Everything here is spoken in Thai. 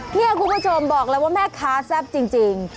นี่คุณผู้ชมบอกเลยว่าแม่ค้าแซ่บจริง